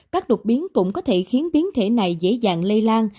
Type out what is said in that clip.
các đột biến cũng có thể khiến biến thể này dễ dàng lây lan